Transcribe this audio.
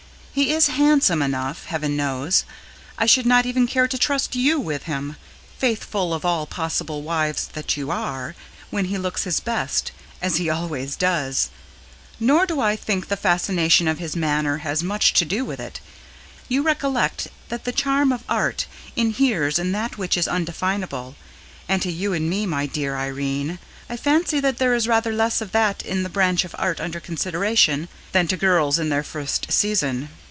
He is handsome enough, heaven knows; I should not even care to trust you with him faithful of all possible wives that you are when he looks his best, as he always does. Nor do I think the fascination of his manner has much to do with it. You recollect that the charm of art inheres in that which is undefinable, and to you and me, my dear Irene, I fancy there is rather less of that in the branch of art under consideration than to girls in their first season.